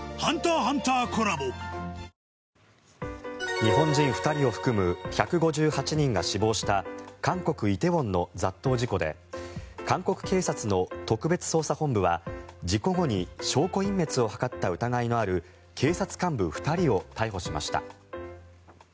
日本人２人を含む１５８人が死亡した韓国・梨泰院の雑踏事故で韓国警察の特別捜査本部は事故後に証拠隠滅を図った疑いのある警察幹部２人を逮捕しました。